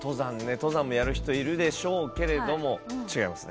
登山もやる人いるでしょうけど違いますね。